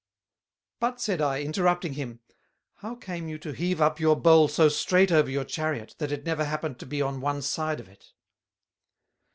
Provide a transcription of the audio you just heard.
" "But," said I, interrupting him, "How came you to heave up your Bowl so streight over your Chariot, that it never happened to be on one side of it?"